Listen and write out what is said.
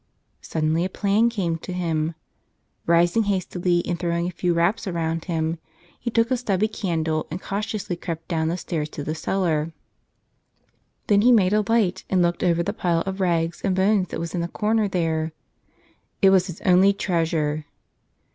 Suddenly a plan came to him. Rising hastily and throwing a few wraps around him, he took a 54 Where There's a Will Th ere s a Way stubby candle and cautiously crept down the stairs to the cellar. Then he made a light and looked over the pile of rags and bones that was in a corner there. It was his only treasure.